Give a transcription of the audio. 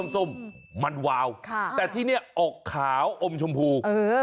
ส้มมันวาวแต่ที่นี่อกขาวอมชมพู